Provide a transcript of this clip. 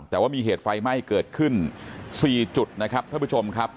แต่ว่ามีเหตุไฟไหม้เกิดขึ้น๔จุดนะครับท่านผู้ชมครับ